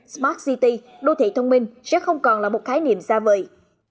smart city đô thị thông minh sẽ không còn là một khái niệm xa vời